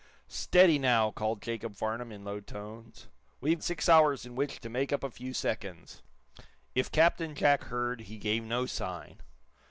"Steady, now!" called Jacob Farnum, in low tones. "We've six hours in which to make up a few seconds." If Captain Jack heard, he gave no sign.